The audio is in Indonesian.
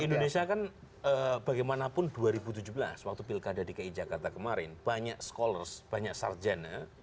indonesia kan bagaimanapun dua ribu tujuh belas waktu pilkada dki jakarta kemarin banyak scholars banyak sarjana